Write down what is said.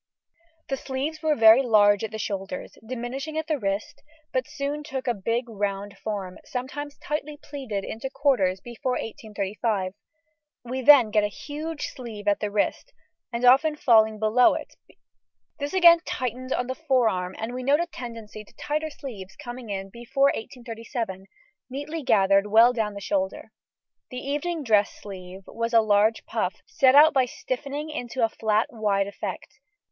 The sleeves were very large at the shoulders, diminishing at the wrist, but soon took a big round form, sometimes tightly pleated into quarters before 1835. We then get the huge sleeve gathered at the wrist, and often falling below it; this again tightened on the forearm, and we note a tendency to tighter sleeves coming in before 1837, neatly gathered well down the shoulder. The evening dress sleeve was a large puff, set out by stiffening to a flat wide effect.